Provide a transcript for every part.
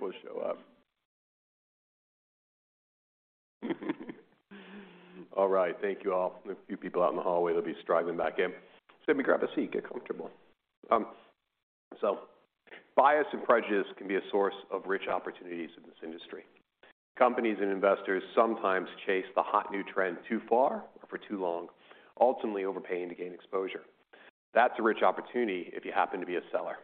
People show up. All right, thank you all. There are a few people out in the hallway. They'll be straggling back in. Let me grab a seat, get comfortable. Bias and prejudice can be a source of rich opportunities in this industry. Companies and investors sometimes chase the hot new trend too far or for too long, ultimately overpaying to gain exposure. That's a rich opportunity if you happen to be a seller.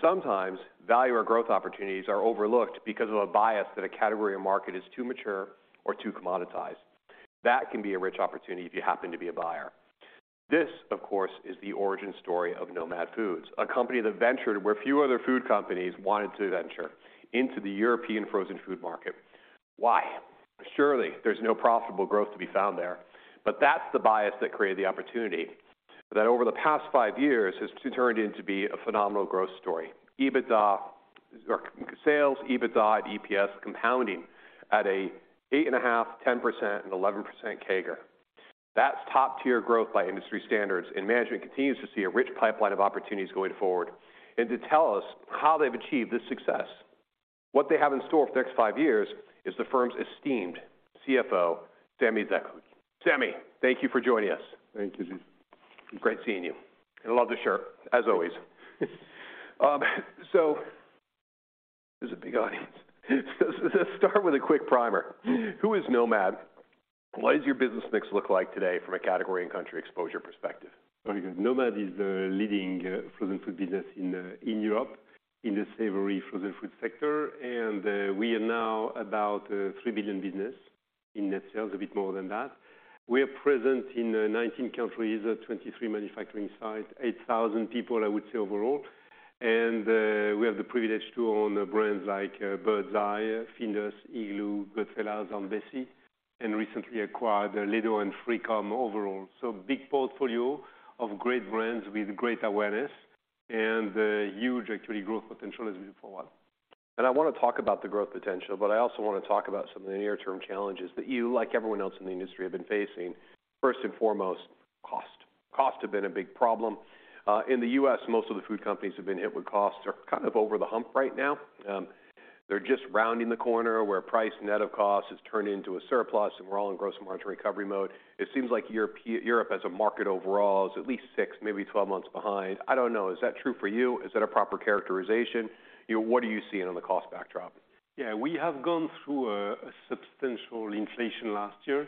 Sometimes value or growth opportunities are overlooked because of a bias that a category or market is too mature or too commoditized. That can be a rich opportunity if you happen to be a buyer. This, of course, is the origin story of Nomad Foods, a company that ventured where few other food companies wanted to venture, into the European frozen food market. Why? Surely there's no profitable growth to be found there. That's the bias that created the opportunity that over the past five years has turned in to be a phenomenal growth story. EBITDA or sales, EBITDA, and EPS compounding at a 8.5%, 10%, and 11% CAGR. That's top-tier growth by industry standards, and management continues to see a rich pipeline of opportunities going forward. To tell us how they've achieved this success, what they have in store for the next five years, is the firm's esteemed CFO, Samy Zekhout. Sammy, thank you for joining us. Thank you. Great seeing you. I love the shirt, as always. This is a big audience. Start with a quick primer. Who is Nomad? What does your business mix look like today from a category and country exposure perspective? Very good. Nomad is the leading frozen food business in Europe in the savory frozen food sector. We are now about a 3 billion business in net sales, a bit more than that. We are present in 19 countries, at 23 manufacturing sites, 8,000 people, I would say, overall. We have the privilege to own brands like Birds Eye, Findus, Iglo, Goodfella's, and Bessie, and recently acquired Ledo and Frikom overall. Big portfolio of great brands with great awareness and huge actually growth potential as we move forward. I want to talk about the growth potential, but I also want to talk about some of the near-term challenges that you, like everyone else in the industry, have been facing. First and foremost, costs. Costs have been a big problem. In the U.S., most of the food companies have been hit with costs, are kind of over the hump right now. They're just rounding the corner where price net of cost has turned into a surplus, and we're all in gross margin recovery mode. It seems like Europe as a market overall is at least six, maybe 12 months behind. I don't know. Is that true for you? Is that a proper characterization? You know, what are you seeing on the cost backdrop? Yeah, we have gone through a substantial inflation last year,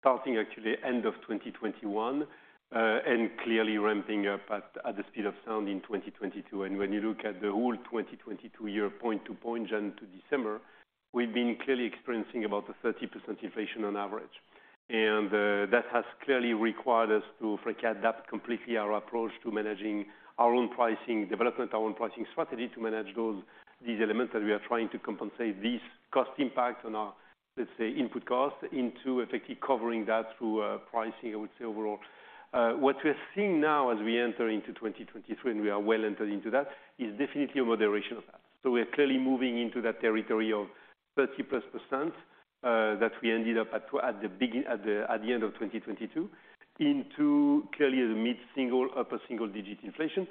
starting actually end of 2021, and clearly ramping up at the speed of sound in 2022. When you look at the whole 2022 year point to point, January to December, we've been clearly experiencing about a 30% inflation on average. That has clearly required us to, frankly, adapt completely our approach to managing our own pricing development, our own pricing strategy to manage these elements that we are trying to compensate these cost impacts on our, let's say, input costs into effectively covering that through pricing, I would say, overall. What we are seeing now as we enter into 2023, and we are well entered into that, is definitely a moderation of that. We are clearly moving into that territory of 30%+, that we ended up at the end of 2022 into clearly the mid-single, upper single-digit inflation.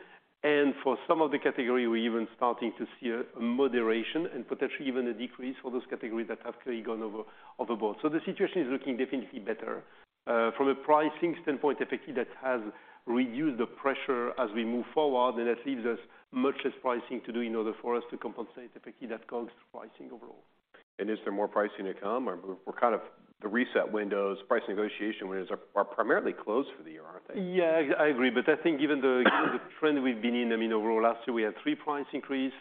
For some of the category, we're even starting to see a moderation and potentially even a decrease for those categories that have clearly gone overboard. The situation is looking definitely better. From a pricing standpoint, effectively, that has reduced the pressure as we move forward, and that leaves us much less pricing to do in order for us to compensate effectively that COGS pricing overall. Is there more pricing to come? We're kind of the reset windows, price negotiation windows are primarily closed for the year, aren't they? Yeah, I agree. I think given the trend we've been in, I mean, overall, last year we had three price increase.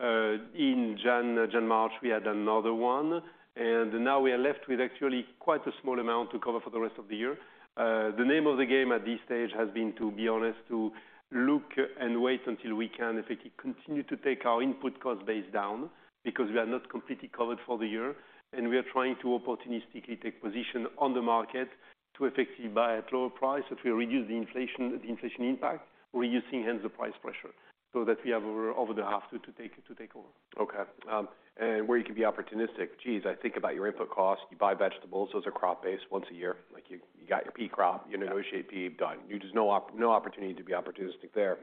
In Jan, March, we had another one, and now we are left with actually quite a small amount to cover for the rest of the year. The name of the game at this stage has been to be honest, to look and wait until we can effectively continue to take our input cost base down because we are not completely covered for the year, and we are trying to opportunistically take position on the market to effectively buy at lower price. If we reduce the inflation impact, we're using hence the price pressure so that we have over the half to take over. Okay. Where you can be opportunistic. Geez, I think about your input costs. You buy vegetables, those are crop based once a year. Like, you got your pea crop, you negotiate pea, done. You're just no opportunity to be opportunistic there.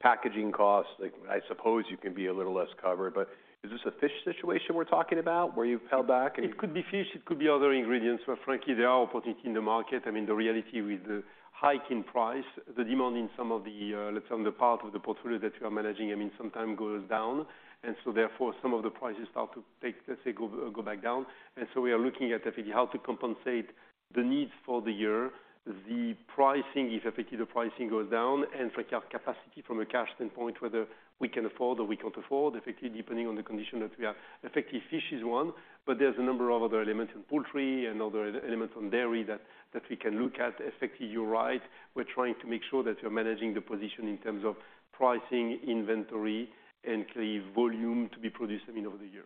Packaging costs, like, I suppose you can be a little less covered, but is this a fish situation we're talking about where you've held back and? It could be fish. It could be other ingredients. Frankly, there are opportunities in the market. I mean, the reality with the hike in price, the demand in some of the, let's say, on the part of the portfolio that we are managing, I mean, sometime goes down. Therefore, some of the prices start to take, let's say, go back down. We are looking at effectively how to compensate the needs for the year, the pricing, if effectively the pricing goes down, and frankly, our capacity from a cash standpoint, whether we can afford or we can't afford, effectively, depending on the condition that we have. Effectively, fish is one, but there's a number of other elements in poultry and other elements on dairy that we can look at. Effectively, you're right. We're trying to make sure that we are managing the position in terms of pricing, inventory, and clearly volume to be produced, I mean, over the year.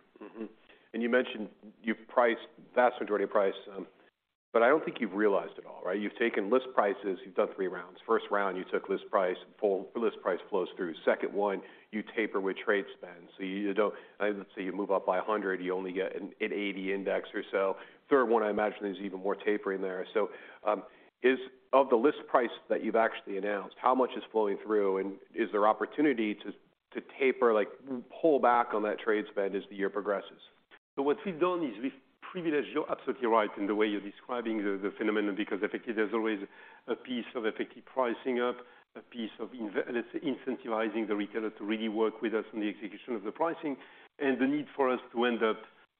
You mentioned you've priced vast majority are priced, but I don't think you've realized at all, right? You've taken list prices, you've done three rounds. First round, you took list price, full list price flows through. Second one, you taper with trade spend. You don't let's say you move up by 100, you only get an 80 index or so. Third one, I imagine there's even more tapering there. Of the list price that you've actually announced, how much is flowing through, and is there opportunity to taper, like, pull back on that trade spend as the year progresses? What we've done is we've privileged, you're absolutely right in the way you're describing the phenomenon, because effectively there's always a piece of effective pricing up, a piece of let's say, incentivizing the retailer to really work with us on the execution of the pricing and the need for us to end up,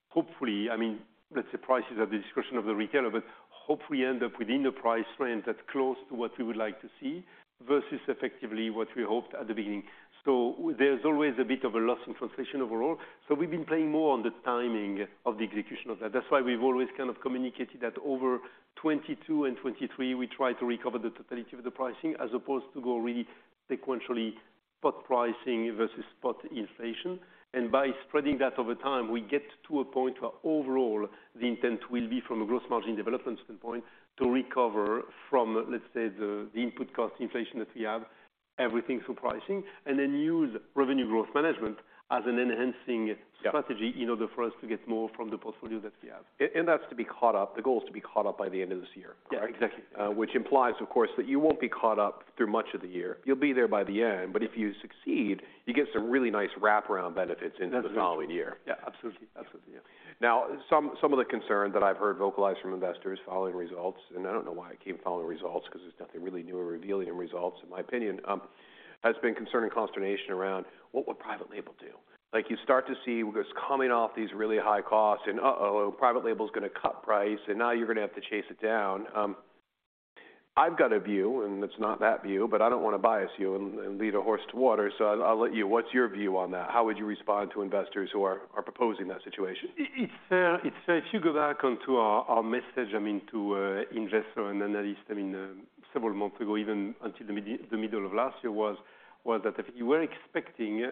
hopefully, I mean, let's say price is at the discretion of the retailer, but hope we end up within the price range that's close to what we would like to see versus effectively what we hoped at the beginning. There's always a bit of a loss in translation overall. We've been playing more on the timing of the execution of that. That's why we've always kind of communicated that over 2022 and 2023, we try to recover the totality of the pricing as opposed to go really sequentially spot pricing versus spot inflation. By spreading that over time, we get to a point where overall the intent will be from a growth margin development standpoint to recover from, let's say, the input cost inflation that we have, everything through pricing, and then use revenue growth management as an enhancing strategy. Yeah. In order for us to get more from the portfolio that we have. That's to be caught up, the goal is to be caught up by the end of this year, correct? Yeah, exactly. Which implies, of course, that you won't be caught up through much of the year. You'll be there by the end, but if you succeed, you get some really nice wraparound benefits into the following year. Yeah, absolutely. Absolutely, yeah. Now, some of the concern that I've heard vocalized from investors following results, and I don't know why it came following results, because there's nothing really new or revealing in results, in my opinion, has been concern and consternation around what will private label do? Like you start to see what's coming off these really high costs and uh-oh, private label's gonna cut price, and now you're gonna have to chase it down. I've got a view, and it's not that view, but I don't want to bias you and lead a horse to water, so I'll let you. What's your view on that? How would you respond to investors who are proposing that situation? It's, it's, if you go back onto our message, I mean, to investor and analyst, I mean, several months ago, even until the middle of last year, was that if you were expecting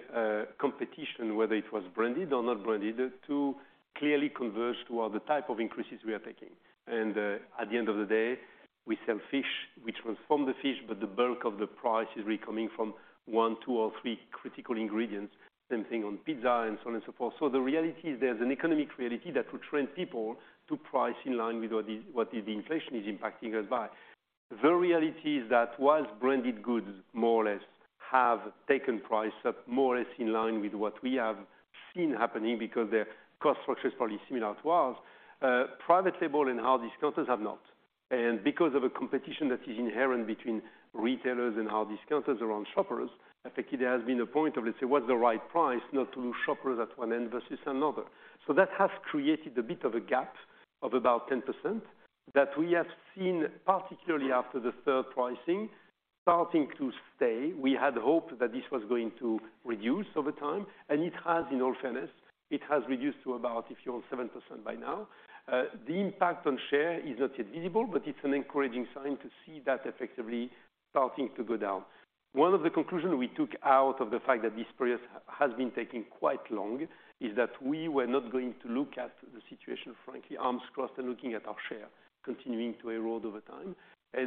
competition, whether it was branded or not branded, to clearly converge to all the type of increases we are taking. At the end of the day, we sell fish. We transform the fish, but the bulk of the price is really coming from one, two or three critical ingredients, same thing on pizza and so on and so forth. The reality is there's an economic reality that will trend people to price in line with what is the inflation is impacting us by. The reality is that whilst branded goods more or less have taken price up more or less in line with what we have seen happening because their cost structure is probably similar to ours, private label and how discounters have not. Because of a competition that is inherent between retailers and how discounters around shoppers, I think there has been a point of, let's say, what's the right price not to lose shoppers at one end versus another. That has created a bit of a gap of about 10% that we have seen, particularly after the third pricing, starting to stay. We had hoped that this was going to reduce over time, and it has in all fairness. It has reduced to about, if you're 7% by now. The impact on share is not yet visible, but it's an encouraging sign to see that effectively starting to go down. One of the conclusions we took out of the fact that this period has been taking quite long is that we were not going to look at the situation, frankly, arms crossed and looking at our share continuing to erode over time.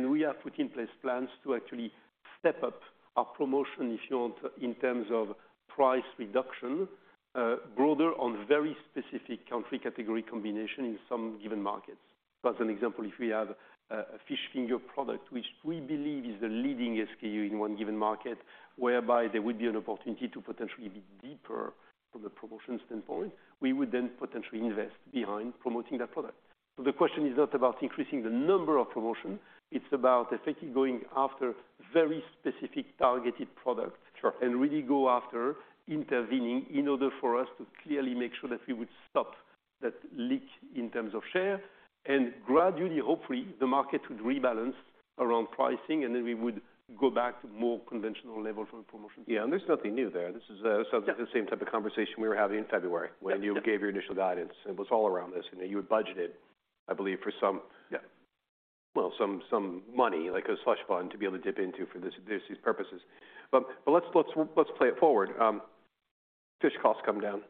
We have put in place plans to actually step up our promotion, if you want, in terms of price reduction, broader on very specific country category combination in some given markets. As an example, if we have a fish finger product, which we believe is the leading SKU in one given market, whereby there would be an opportunity to potentially be deeper from a promotion standpoint, we would then potentially invest behind promoting that product. The question is not about increasing the number of promotion, it's about effectively going after very specific targeted products. Sure. Really go after intervening in order for us to clearly make sure that we would stop that leak in terms of share. Gradually, hopefully, the market would rebalance around pricing, and then we would go back to more conventional level for the promotion. Yeah, there's nothing new there. This is. Yeah. The same type of conversation we were having in February. Yeah. When you gave your initial guidance. It was all around this, you know, you had budgeted, I believe, for. Yeah. Well, some money, like a slush fund to be able to dip into for this, these purposes. let's play it forward. Fish costs come down.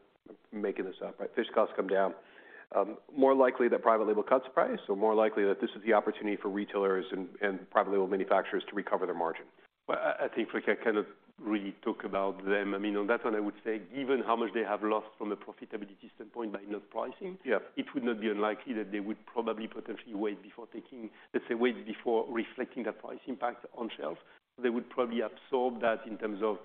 I'm making this up. Fish costs come down. more likely that private label cuts price, or more likely that this is the opportunity for retailers and private label manufacturers to recover their margin. Well, I think if I kind of really talk about them, I mean, on that one I would say given how much they have lost from a profitability standpoint by not pricing. Yeah. It would not be unlikely that they would probably potentially wait before taking, let's say, wait before reflecting that price impact on shelves. They would probably absorb that in terms of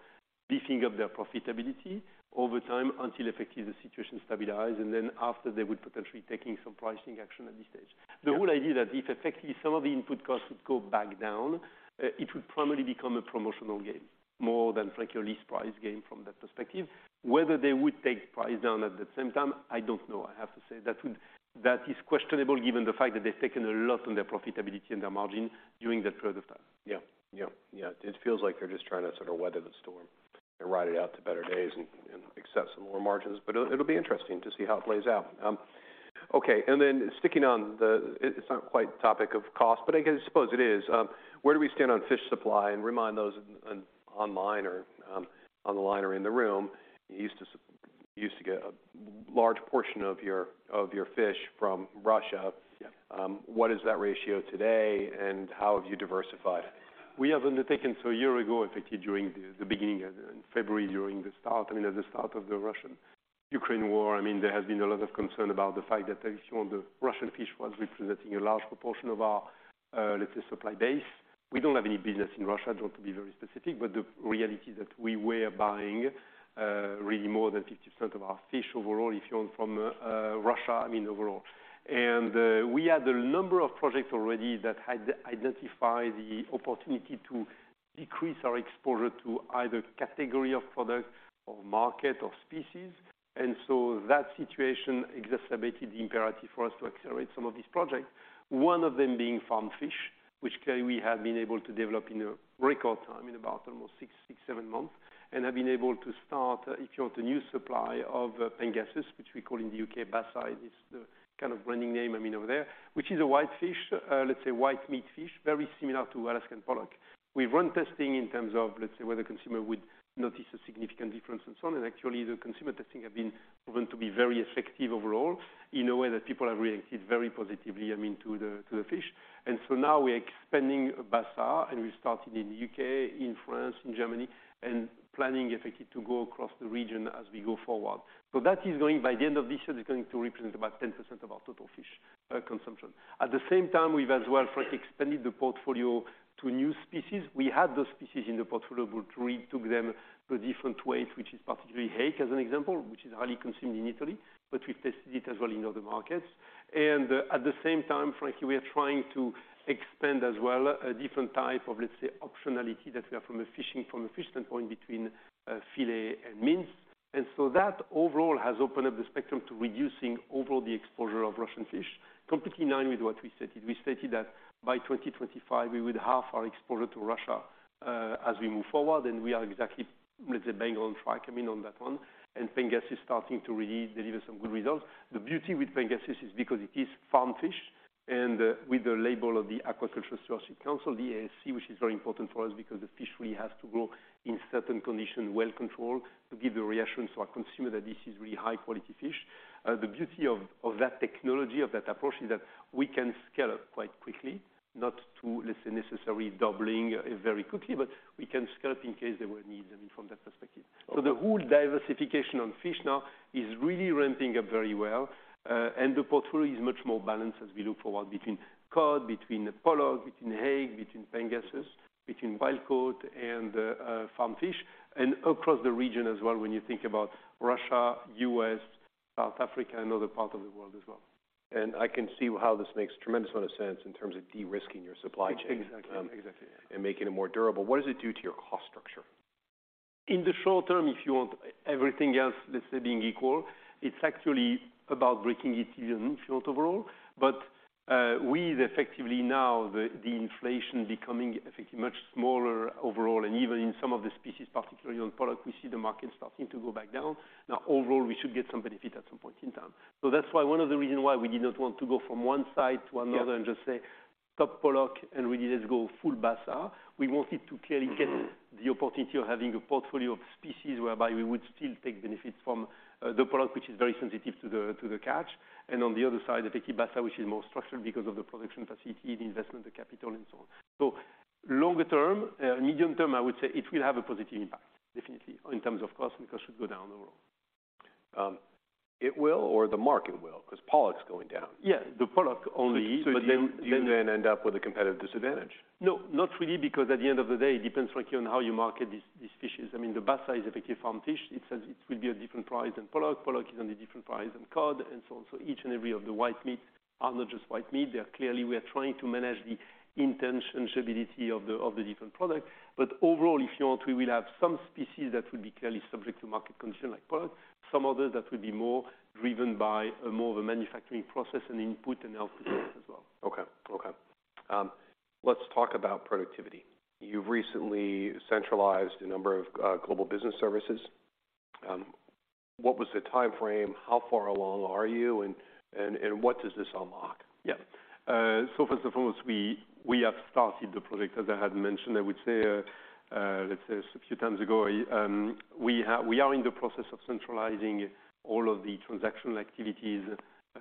beefing up their profitability over time until effectively the situation stabilize, and then after, they would potentially taking some pricing action at this stage. Yeah. The whole idea that if effectively some of the input costs would go back down, it would primarily become a promotional game more than like your least price game from that perspective. Whether they would take price down at the same time, I don't know. I have to say that is questionable given the fact that they've taken a lot on their profitability and their margin during that period of time. Yeah. Yeah. Yeah. It feels like they're just trying to sort of weather the storm and ride it out to better days and accept some lower margins. It'll be interesting to see how it plays out. Okay, then sticking on the, it's not quite topic of cost, but I guess suppose it is. Where do we stand on fish supply? Remind those on, online or on the line or in the room, you used to get a large portion of your, of your fish from Russia. Yeah. What is that ratio today, and how have you diversified? We have undertaken, a year ago, effectively during the beginning of, in February, during the start, I mean, at the start of the Russian-Ukraine war, I mean, there has been a lot of concern about the fact that if you want, the Russian fish was representing a large proportion of our, let's say, supply base. We don't have any business in Russia, just to be very specific. The reality is that we were buying really more than 50% of our fish overall, if you want, from Russia, I mean, overall. We had a number of projects already that had identified the opportunity to decrease our exposure to either category of product or market or species. That situation exacerbated the imperative for us to accelerate some of these projects. One of them being farm fish, which we have been able to develop in a record time, in about almost six, seven months, have been able to start, if you want, a new supply of pangasius, which we call in the U.K., basa, is the kind of branding name, I mean, over there, which is a white fish, let's say white meat fish, very similar to Alaska pollock. We run testing in terms of, let's say, whether consumer would notice a significant difference and so on. Actually, the consumer testing have been proven to be very effective overall in a way that people have reacted very positively, I mean, to the fish. Now we are expanding basa, and we started in U.K., in France, in Germany, and planning effectively to go across the region as we go forward. That is going, by the end of this year, is going to represent about 10% of our total fish consumption. At the same time, we've as well expanded the portfolio to new species. We had those species in the portfolio, but really took them to different ways, which is particularly hake as an example, which is highly consumed in Italy, but we've tested it as well in other markets. At the same time, frankly, we are trying to expand as well a different type of, let's say, optionality that we have from a fishing, from a fish standpoint between filet and mince. That overall has opened up the spectrum to reducing overall the exposure of Russian fish. Completely in line with what we stated. We stated that by 2025, we would half our exposure to Russia, as we move forward, we are exactly, let's say, bang on track, I mean, on that one. Pangasius starting to really deliver some good results. The beauty with pangasius is because it is farm fish and with the label of the Aquaculture Stewardship Council, the ASC, which is very important for us because the fish really has to grow in certain conditions, well controlled, to give the reassurance to our consumer that this is really high-quality fish. The beauty of that technology, of that approach, is that we can scale up quite quickly, not to, let's say, necessarily doubling it very quickly, but we can scale up in case there were a need, I mean, from that perspective. The whole diversification on fish now is really ramping up very well, and the portfolio is much more balanced as we look forward between cod, between pollock, between hake, between pangasius, between wild caught and farm fish and across the region as well when you think about Russia, U.S., South Africa, and other parts of the world as well. I can see how this makes tremendous amount of sense in terms of de-risking your supply chain. Exactly. Exactly. Making it more durable. What does it do to your cost structure? In the short term, if you want everything else, let's say, being equal, it's actually about breaking even, if you want, overall. With effectively now the inflation becoming effectively much smaller overall, and even in some of the species, particularly on product, we see the market starting to go back down. Overall, we should get some benefit at some point in time. That's why one of the reasons why we did not want to go from one side to another and just say, "Stop pollock," and we just go full basa. We wanted to clearly get the opportunity of having a portfolio of species whereby we would still take benefits from the product, which is very sensitive to the catch. On the other side, effectively basa, which is more structured because of the production facility, the investment, the capital and so on. Longer term, medium term, I would say it will have a positive impact, definitely, in terms of cost, and cost should go down overall. It will or the market will? 'Cause pollock's going down. Yeah, the pollock. You then end up with a competitive disadvantage. No, not really, because at the end of the day, it depends, frankly, on how you market these fishes. I mean, the basa is effectively farm fish. It says it will be a different price than pollock. Pollock is on a different price than cod and so on. Each and every of the white meat are not just white meat. They are clearly, we are trying to manage the interchangeability of the different products. Overall, if you want, we will have some species that will be clearly subject to market condition like pollock. Some others that will be more driven by more of a manufacturing process and input and output as well. Okay. Okay. Let's talk about productivity. You've recently centralized a number of global business services. What was the timeframe? How far along are you? What does this unlock? First and foremost, we have started the project, as I had mentioned. I would say a few times ago, we are in the process of centralizing all of the transactional activities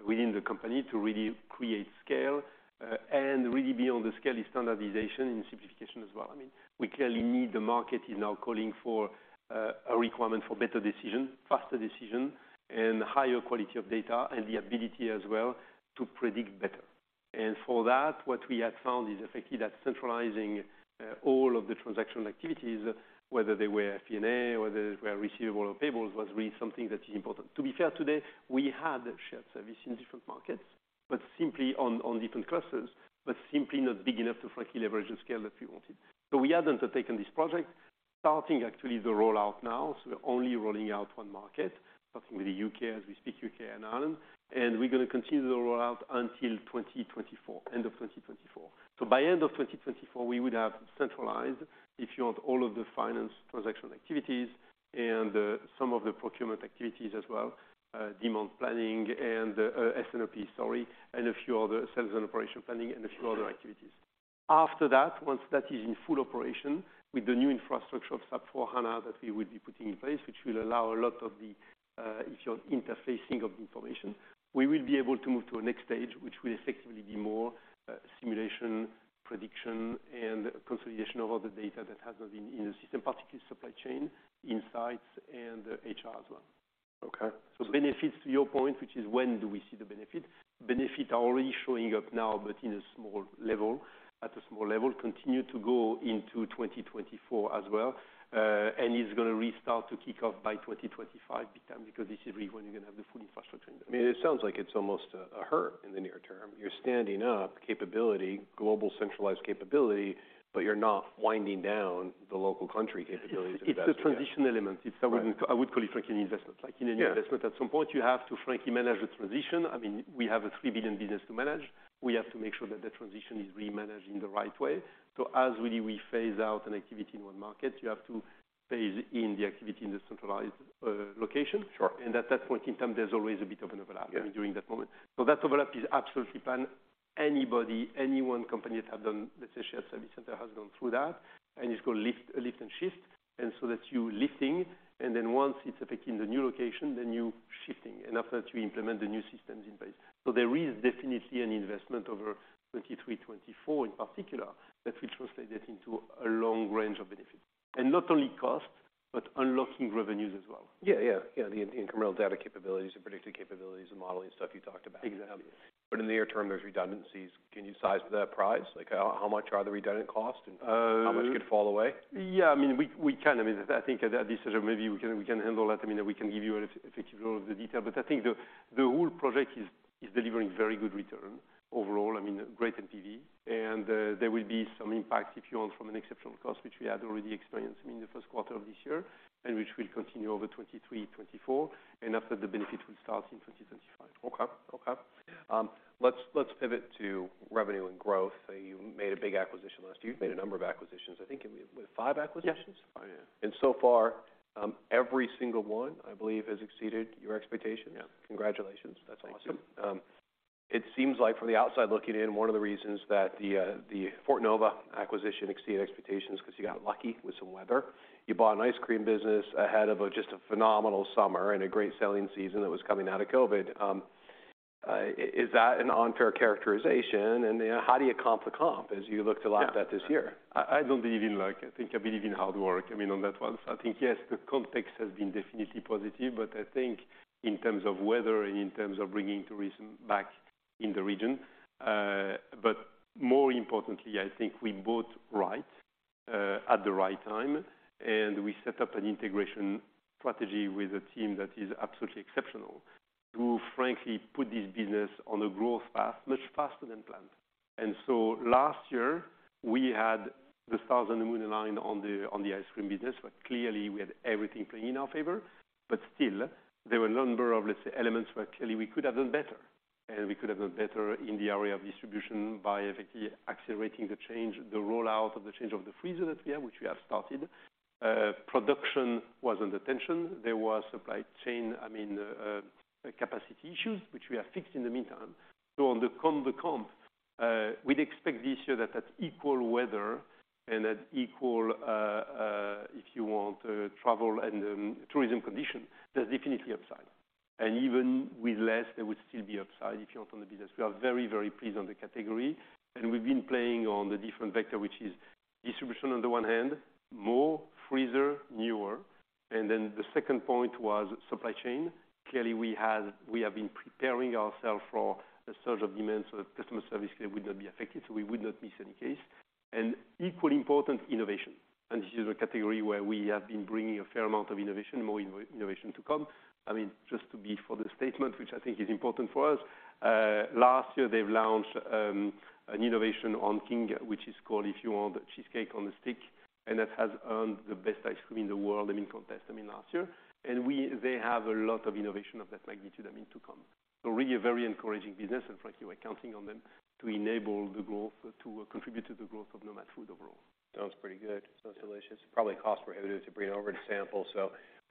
within the company to really create scale and really build the scale of standardization and simplification as well. I mean, we clearly need, the market is now calling for a requirement for better decision, faster decision, and higher quality of data, and the ability as well to predict better. For that, what we have found is effectively that centralizing all of the transactional activities, whether they were F&A, whether they were receivable or payables, was really something that is important. To be fair, today, we had shared service in different markets, but simply on different clusters, but simply not big enough to frankly leverage the scale that we wanted. We have undertaken this project, starting actually the rollout now. We're only rolling out one market, starting with the U.K. as we speak, U.K. and Ireland, and we're gonna continue the rollout until 2024, end of 2024. By end of 2024, we would have centralized, if you want, all of the finance transaction activities and some of the procurement activities as well, demand planning and S&OP, sorry, and a few other sales and operation planning and a few other activities. After that, once that is in full operation with the new infrastructure of SAP S/4HANA that we will be putting in place, which will allow a lot of the, if you're interfacing of information, we will be able to move to a next stage, which will effectively be more, simulation, prediction, and consolidation of all the data that has not been in the system, particularly supply chain insights and HR as well. Okay. Benefits to your point, which is when do we see the benefit? Benefit are already showing up now, but in a small level, at a small level, continue to go into 2024 as well. It's gonna restart to kick off by 2025 big time because this is really when you're gonna have the full infrastructure in there. I mean, it sounds like it's almost a hurt in the near term. You're standing up capability, global centralized capability, but you're not winding down the local country capabilities. It's a transition element. It's, I would call it like an investment. Like in an investment, at some point, you have to frankly manage the transition. I mean, we have a 3 billion business to manage. We have to make sure that that transition is really managed in the right way. As really we phase out an activity in one market, you have to phase in the activity in the centralized location. Sure. At that point in time, there's always a bit of an overlap. Yeah I mean, during that moment. That overlap is absolutely planned. Anybody, any one company that have done, let's say, a service center has gone through that, and it's called lift and shift. That you're lifting, and then once it's in the new location, then you're shifting, and after that, you implement the new systems in place. There is definitely an investment over 2023, 2024 in particular that will translate it into a long range of benefits. Not only cost, but unlocking revenues as well. Yeah, yeah. Yeah, the incremental data capabilities, the predictive capabilities, the modeling stuff you talked about. Exactly. In the near term, there's redundancies. Can you size that prize? Like how much are the redundant costs and how much could fall away? Yeah, I mean, we can. I mean, I think at that decision, maybe we can handle that. I mean, we can give you effective role of the detail. I think the whole project is delivering very good return overall. I mean, great NPV. There will be some impact, if you want, from an exceptional cost, which we had already experienced, I mean, in the first quarter of this year, and which will continue over 2023, 2024. After, the benefit will start in 2025. Okay. Okay. Let's pivot to revenue and growth. You made a big acquisition last year. You've made a number of acquisitions. I think it was five acquisitions? Yeah. Far, every single one, I believe, has exceeded your expectations. Yeah. Congratulations. That's awesome. Thank you. It seems like from the outside looking in, one of the reasons that the Fortenova acquisition exceeded expectations 'cause you got lucky with some weather. You bought an ice cream business ahead of a just a phenomenal summer and a great selling season that was coming out of COVID. Is that an unfair characterization? How do you comp the comp as you looked a lot at this year? I don't believe in luck. I think I believe in hard work. I mean, on that one, I think, yes, the context has been definitely positive, but I think in terms of weather and in terms of bringing tourism back in the region. More importantly, I think we bought right at the right time, and we set up an integration strategy with a team that is absolutely exceptional to frankly put this business on a growth path much faster than planned. Last year, we had the stars and the moon align on the, on the ice cream business, but clearly we had everything playing in our favor. Still, there were a number of, let's say, elements where clearly we could have done better, and we could have done better in the area of distribution by effectively accelerating the change, the rollout of the change of the freezer that we have, which we have started. Production was under tension. There was supply chain, I mean, capacity issues, which we have fixed in the meantime. On the comp to comp, we'd expect this year that at equal weather and at equal, if you want, travel and tourism condition, there's definitely upside. Even with less, there would still be upside if you open the business. We are very, very pleased on the category, and we've been playing on the different vector, which is distribution on the one hand, more freezer, newer. The second point was supply chain. Clearly, we have been preparing ourself for a surge of demand, so the customer service clearly would not be affected, so we would not miss any case. Equally important, innovation. This is a category where we have been bringing a fair amount of innovation, more innovation to come. I mean, just to be for the statement, which I think is important for us, last year, they've launched an innovation on King, which is called, if you want, cheesecake on a stick, and that has earned the best ice cream in the world, I mean, contest, I mean, last year. They have a lot of innovation of that magnitude, I mean, to come. Really a very encouraging business and frankly, we're counting on them to contribute to the growth of Nomad Foods overall. Sounds pretty good. Sounds delicious. Probably cost prohibitive to bring it over to sample.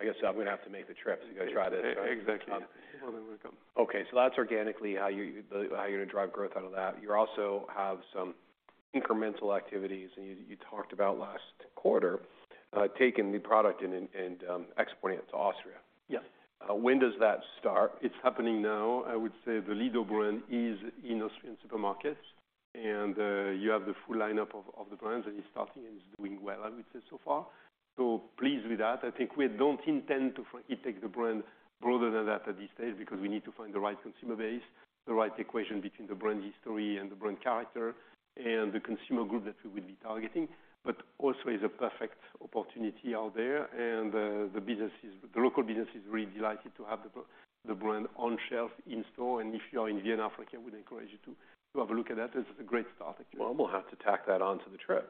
I guess I'm gonna have to make the trip to go try this. Exactly. You're more than welcome. Okay. That's organically how you're gonna drive growth out of that. You also have some incremental activities, and you talked about last quarter, taking the product and exporting it to Austria. Yes. When does that start? It's happening now. I would say the Ledo brand is in Austrian supermarkets, you have the full lineup of the brands, and it's starting and it's doing well, I would say, so far. Pleased with that. I think we don't intend to frankly take the brand broader than that at this stage because we need to find the right consumer base, the right equation between the brand history and the brand character and the consumer group that we will be targeting. Also is a perfect opportunity out there, the local business is really delighted to have the brand on shelf in-store. If you are in Vienna, frankly, I would encourage you to have a look at that. It's a great start, actually. Well, we'll have to tack that on to the trip.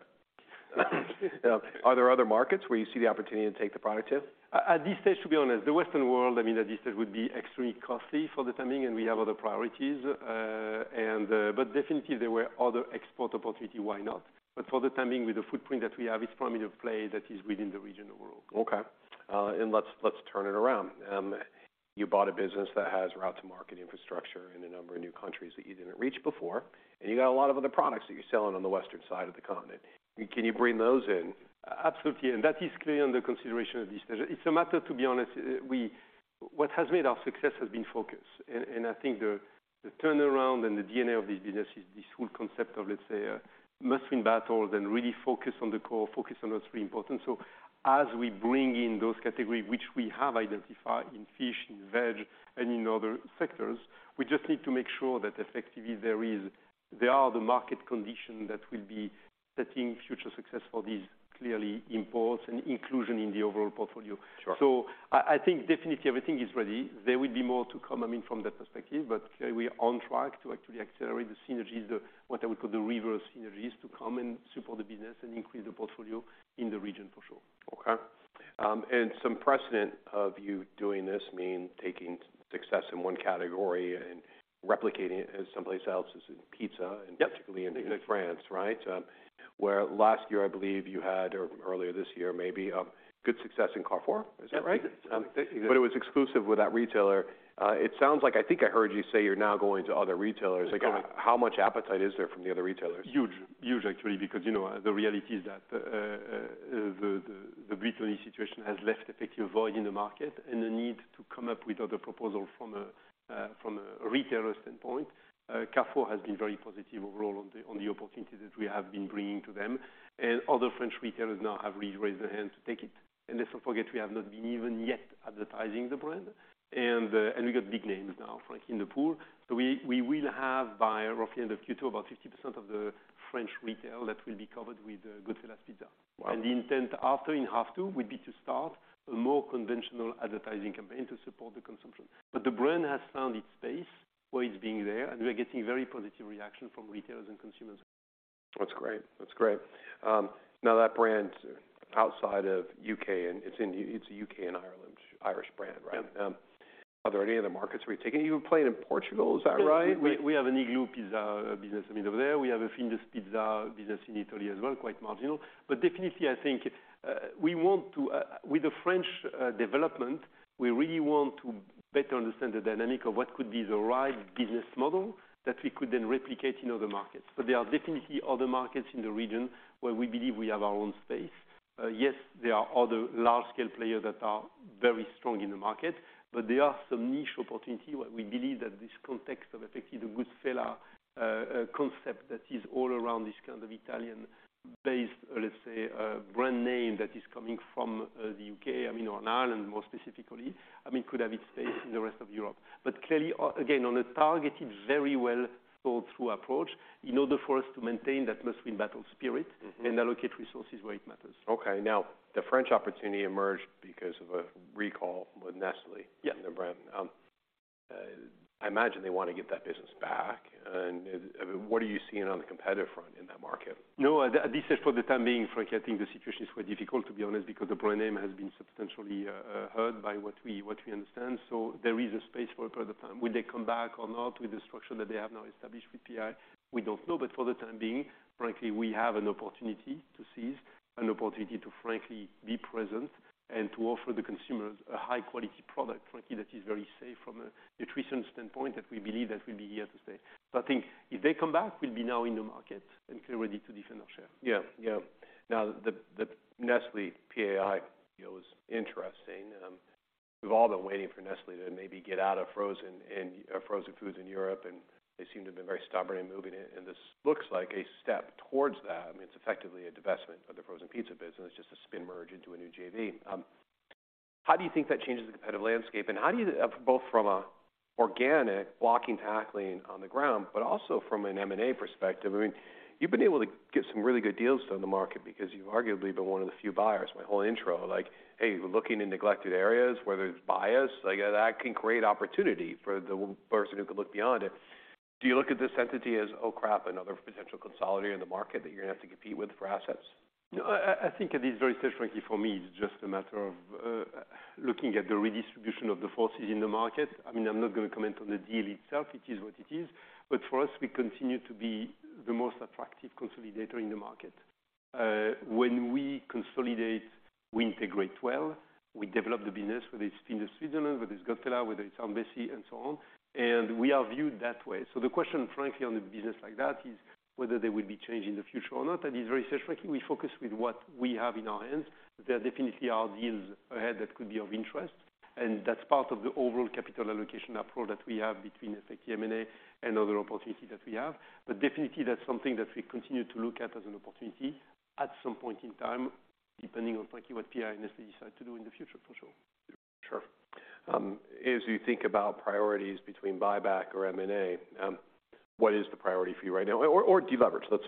Are there other markets where you see the opportunity to take the product to? At this stage, to be honest, the Western world, I mean, at this stage, would be extremely costly for the timing, and we have other priorities. Definitely there were other export opportunity, why not? For the timing with the footprint that we have, it's primary play that is within the regional world. Okay. Let's turn it around. You bought a business that has route to market infrastructure in a number of new countries that you didn't reach before, and you got a lot of other products that you're selling on the western side of the continent. Can you bring those in? Absolutely. That is clearly under consideration at this stage. It's a matter, to be honest. What has made our success has been focus. I think the turnaround and the DNA of this business is this whole concept of, let's say, must win battles and really focus on the core, focus on what's really important. As we bring in those categories, which we have identified in fish and veg and in other sectors, we just need to make sure that effectively they are the market condition that will be setting future success for these clearly imports and inclusion in the overall portfolio. Sure. I think definitely everything is ready. There will be more to come, I mean, from that perspective. Clearly we are on track to actually accelerate the synergies, what I would call the reverse synergies, to come and support the business and increase the portfolio in the region for sure. Okay. Some precedent of you doing this mean taking success in one category and replicating it as someplace else is in pizza. Yep. Particularly in France, right? Where last year, I believe you had, or earlier this year, maybe, good success in Carrefour. Is that right? Yes. It was exclusive with that retailer. It sounds like I think I heard you say you're now going to other retailers. Yeah. How much appetite is there from the other retailers? Huge. Huge, actually, because, you know, the reality is that the Buitoni situation has left effective void in the market and a need to come up with other proposals from a retailer standpoint. Carrefour has been very positive overall on the opportunities that we have been bringing to them. Other French retailers now have re-raised their hand to take it. Let's not forget, we have not been even yet advertising the brand. We got big names now, Frank, in the pool. We will have by roughly end of Q2, about 50% of the French retail that will be covered with Goodfella's Pizza. Wow. The intent after in half two would be to start a more conventional advertising campaign to support the consumption. The brand has found its space where it's being there, and we're getting very positive reaction from retailers and consumers. That's great. That's great. now that brand outside of U.K., and it's a U.K. and Ireland, Irish brand, right? Yeah. Are there any other markets where you're taking. You're playing in Portugal, is that right? We have an Iglo Pizza business. I mean, over there, we have a Findus Pizza business in Italy as well, quite marginal. Definitely, I think, we want to, with the French development, we really want to better understand the dynamic of what could be the right business model that we could then replicate in other markets. There are definitely other markets in the region where we believe we have our own space. Yes, there are other large scale players that are very strong in the market, but there are some niche opportunity where we believe that this context of effective Goodfella's concept that is all around this kind of Italian-based, let's say, brand name that is coming from the U.K., I mean, or in Ireland more specifically, I mean, could have its space in the rest of Europe. Clearly, again, on a targeted, very well thought through approach in order for us to maintain that must win battle spirit. Mm-hmm. Allocate resources where it matters. Okay. Now the French opportunity emerged because of a recall with Nestlé— Yeah. The brand. I imagine they wanna get that business back. I mean, what are you seeing on the competitive front in that market? No, at least for the time being, Frank, I think the situation is very difficult, to be honest, because the brand name has been substantially hurt by what we understand. There is a space for it for the time. Will they come back or not with the structure that they have now established with PAI? We don't know. For the time being, frankly, we have an opportunity to seize, an opportunity to frankly be present and to offer the consumers a high quality product, frankly, that is very safe from a nutrition standpoint that we believe that will be here to stay. I think if they come back, we'll be now in the market and clearly ready to defend our share. The Nestlé PAI deal is interesting. We've all been waiting for Nestlé to maybe get out of frozen and frozen foods in Europe. They seem to have been very stubborn in moving it. This looks like a step towards that. I mean, it's effectively a divestment of their frozen pizza business. It's just a spin merge into a new JV. How do you think that changes the competitive landscape? How do you, both from an organic walking, talking on the ground, but also from an M&A perspective, I mean, you've been able to get some really good deals on the market because you've arguably been one of the few buyers. My whole intro, like, hey, we're looking in neglected areas where there's buyers. Like, that can create opportunity for the person who can look beyond it. Do you look at this entity as, oh, crap, another potential consolidator in the market that you're gonna have to compete with for assets? No, I think at this very stage, Frank, for me, it's just a matter of looking at the redistribution of the forces in the market. I mean, I'm not gonna comment on the deal itself. It is what it is. For us, we continue to be the most attractive consolidator in the market. When we consolidate, we integrate well, we develop the business, whether it's Findus, Switzerland, whether it's Goodfella's, whether it's Aunt Bessie's and so on, and we are viewed that way. The question, Frank, on a business like that is whether they will be changing the future or not. At this very stage, Frank, we focus with what we have in our hands. There definitely are deals ahead that could be of interest, and that's part of the overall capital allocation approach that we have between, in fact, M&A and other opportunities that we have. Definitely that's something that we continue to look at as an opportunity at some point in time, depending on, frankly, what PAI and Nestlé decide to do in the future, for sure. Sure. As you think about priorities between buyback or M&A, what is the priority for you right now? Or de-leverage. Let's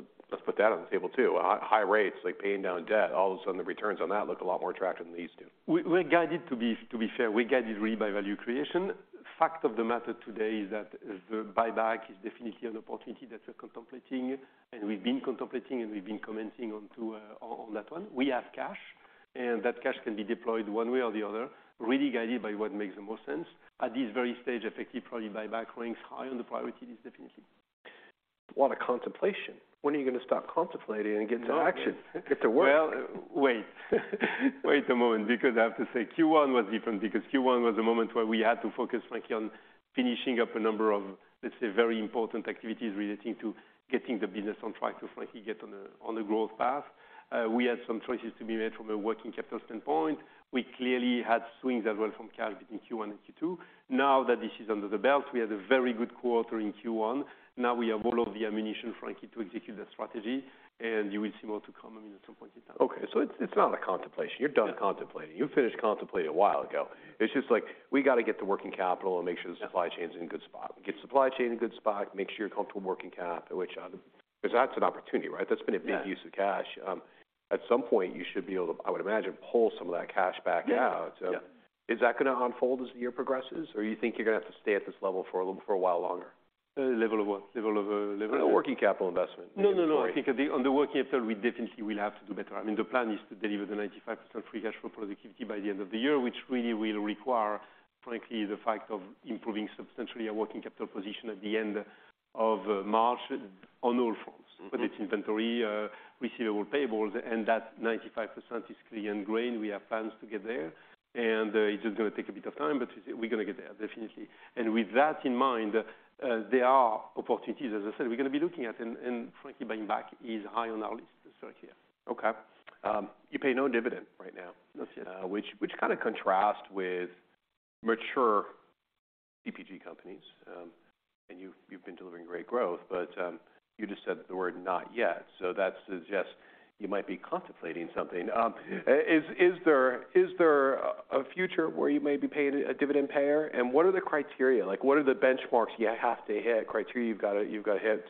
put that on the table too. High rates, like paying down debt, all of a sudden the returns on that look a lot more attractive than these do. We're guided, to be fair, we're guided really by value creation. Fact of the matter today is that the buyback is definitely an opportunity that we're contemplating, and we've been contemplating, and we've been commenting on that one. We have cash, and that cash can be deployed one way or the other, really guided by what makes the most sense. At this very stage, effective probably buyback ranks high on the priorities, definitely. A lot of contemplation. When are you going to stop contemplating and get to action? Get to work. Well, wait. Wait a moment, because I have to say Q1 was different, because Q1 was a moment where we had to focus, frankly, on finishing up a number of, let's say, very important activities relating to getting the business on track to frankly get on a growth path. We had some choices to be made from a working capital standpoint. We clearly had swings as well from cash between Q1 and Q2. Now that this is under the belt, we had a very good quarter in Q1. Now we have all of the ammunition, frankly, to execute the strategy, and you will see more to come, I mean, at some point in time. Okay. It's not a contemplation. You're done contemplating. You finished contemplating a while ago. It's just like, we gotta get the working capital and make sure— Yeah The supply chain's in a good spot. Get supply chain in a good spot, make sure you're comfortable working cap at which. Because that's an opportunity, right? Yeah Use of cash. At some point, you should be able to, I would imagine, pull some of that cash back out. Yeah. Yeah. Is that gonna unfold as the year progresses, or you think you're gonna have to stay at this level for a while longer? level of what? Level of. Working capital investment. No, no. I think On the working capital we definitely will have to do better. I mean, the plan is to deliver the 95% free cash flow productivity by the end of the year, which really will require, frankly, the fact of improving substantially our working capital position at the end of March on all fronts. Mm-hmm. Whether it's inventory, receivable, payables, and that 95% is clear and grain. We have plans to get there, and it is gonna take a bit of time, but we're gonna get there, definitely. With that in mind, there are opportunities, as I said, we're gonna be looking at and frankly, buying back is high on our list this year. Okay. You pay no dividend right now. Not yet. Which kinda contrast with mature CPG companies. You've been delivering great growth, but you just said the word not yet, so that suggests you might be contemplating something. Yeah Is there a future where you may be paying a dividend payer, and what are the criteria? Like, what are the benchmarks you have to hit, criteria you've gotta hit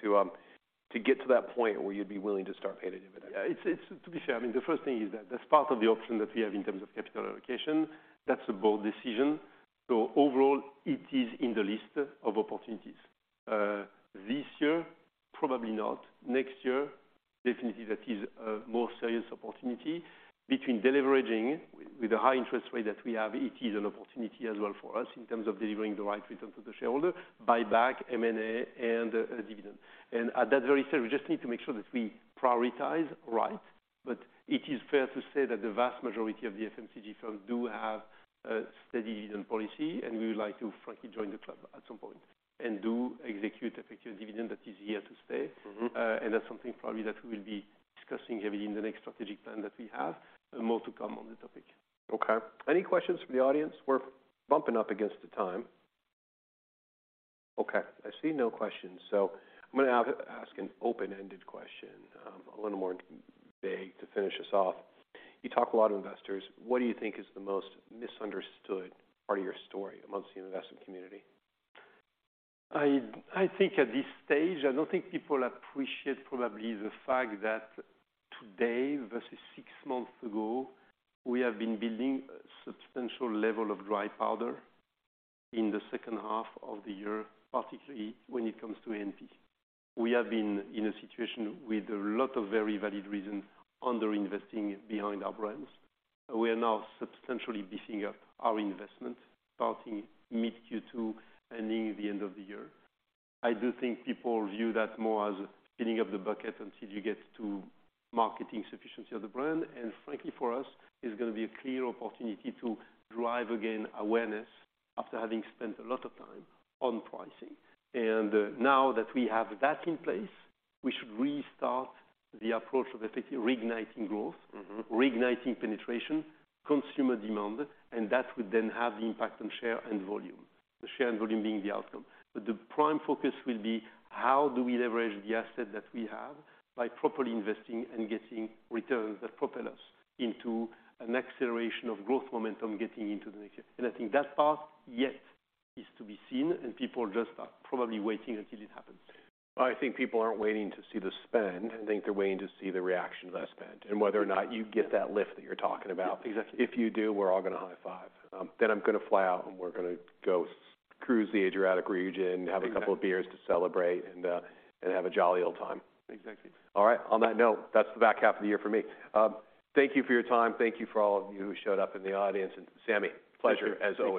to get to that point where you'd be willing to start paying a dividend? Yeah. It's, I mean, to be fair, the first thing is that that's part of the option that we have in terms of capital allocation. That's a board decision. Overall, it is in the list of opportunities. This year, probably not. Next year, definitely that is a more serious opportunity between deleveraging with the high interest rate that we have, it is an opportunity as well for us in terms of delivering the right return for the shareholder. Buyback, M&A, and a dividend. At that very same, we just need to make sure that we prioritize right. It is fair to say that the vast majority of the FMCG firms do have a steady dividend policy, and we would like to frankly join the club at some point and do execute a fixed dividend that is here to stay. Mm-hmm. That's something probably that we will be discussing heavily in the next strategic plan that we have. More to come on the topic. Okay. Any questions from the audience? We're bumping up against the time. I see no questions, I'm gonna ask an open-ended question, a little more vague to finish us off. You talk a lot of investors. What do you think is the most misunderstood part of your story amongst the investment community? I think at this stage, I don't think people appreciate probably the fact that today versus six months ago, we have been building substantial level of dry powder in the second half of the year, particularly when it comes to NP. We have been in a situation with a lot of very valid reasons under-investing behind our brands. We are now substantially beefing up our investment, starting mid Q2 and in the end of the year. I do think people view that more as filling up the bucket until you get to marketing sufficiency of the brand. Frankly, for us, it's gonna be a clear opportunity to drive again awareness after having spent a lot of time on pricing. Now that we have that in place, we should restart the approach of reigniting growth. Mm-hmm Reigniting penetration, consumer demand, that would then have the impact on share and volume. The share and volume being the outcome. The prime focus will be how do we leverage the asset that we have by properly investing and getting returns that propel us into an acceleration of growth momentum getting into the next year. I think that part, yet, is to be seen and people just are probably waiting until it happens. I think people aren't waiting to see the spend. I think they're waiting to see the reaction of that spend, and whether or not you get that lift that you're talking about. Exactly. If you do, we're all gonna high five. I'm gonna fly out and we're gonna go cruise the Adriatic region. Exactly Have a couple of beers to celebrate, and have a jolly old time. Exactly. All right. On that note, that's the back half of the year for me. Thank you for your time. Thank you for all of you who showed up in the audience. Samy, pleasure as always.